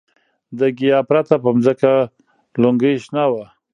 د ګیاه پرته په ځمکه لونګۍ شنه وه.